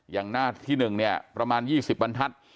อย่างหน้าที่๑เนี่ยประมาณ๒๐บรรทัศน์